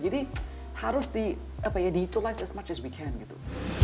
jadi harus di utilize as much as we can gitu